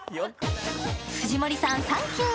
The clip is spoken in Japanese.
藤森さんサンキュー。